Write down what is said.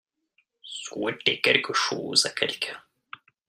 Souhaiter quelque chose à quelqu'un.